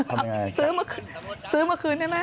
เอ้าซื้อมาคืนได้มะ